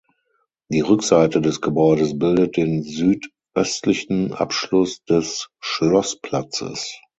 Die Rückseite des Gebäudes bildet den südöstlichen Abschluss des "Schlossplatzes".